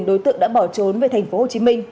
đối tượng đã bỏ trốn về tp hcm